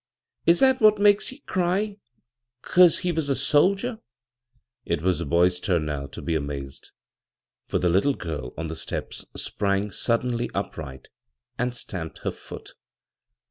" Is that what makes ye cry — ^'cause he was a soldier ?" It was the boy's turn now to be amazed, for the little g^l on the steps sprang suddenly upright and stamped her foot.